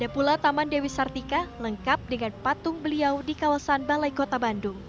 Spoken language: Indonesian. dan di sekitar kota itu ada pula taman dewi sartika lengkap dengan patung beliau di kawasan balai kota bandung